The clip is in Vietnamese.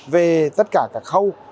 về tất cả các khâu